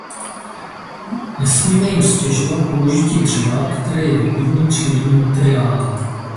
Nesmíme jim ztěžovat použití dřeva, které je výborným přírodním materiálem.